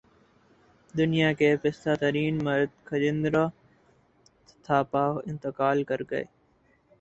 دنیا کے پستہ ترین مرد کھجیندرا تھاپا انتقال کر گئے